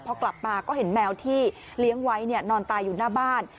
พอกลับมาก็เห็นแมวที่เลี้ยงไว้นอนตายอยู่หน้าบ้าน